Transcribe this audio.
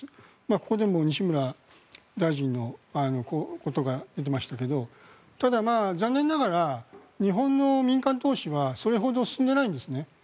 ここでも西村大臣のことが出ていましたけどただ、残念ながら日本の民間投資はそれほど進んでいないんですね。